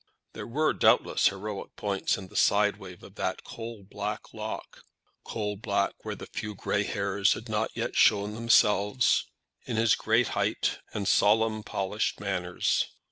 There were doubtless heroic points in the side wave of that coal black lock, coal black where the few grey hairs had not yet shown themselves, in his great height, and solemn polished manners.